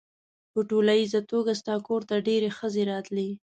په ټولیزه توګه ستا کور ته ډېرې ښځې راتلې.